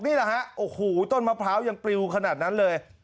นี่แหละฮะโอ้โหต้นมะพร้าวยังปลิวขนาดนั้นเลย